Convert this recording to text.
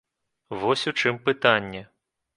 Вось у чым пытанне.